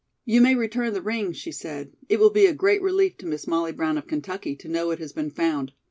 "You may return the ring," she said. "It will be a great relief to Miss Molly Brown of Kentucky to know it has been found.